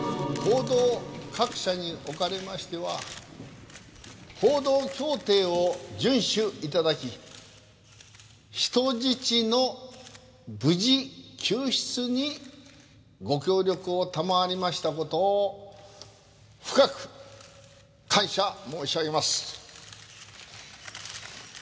「報道各社におかれましては報道協定を遵守頂き人質の無事救出にご協力を賜りました事を深く感謝申し上げます」